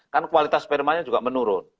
kan kualitas spermanya juga menurun